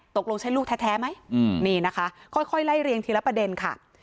ตกลงใช่ลูกแท้ไหมนี่นะคะค่อยไล่เรียงทีละประเด็นค่ะ